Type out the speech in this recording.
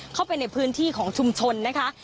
เข้าไปในพื้นที่ของชุมชนนะคะ